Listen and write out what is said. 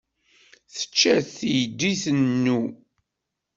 Tečča-t teydit-inu.